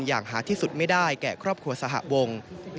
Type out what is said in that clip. อย่างหาที่สุดไม่ได้แก่ครอบครัวสหวง